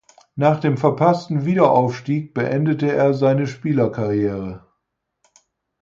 Nach dem verpassten Wiederaufstieg beendete er seine Spielerkarriere.